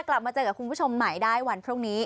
กลับมาเจอกับคุณผู้ชมใหม่ได้วันพรุ่งนี้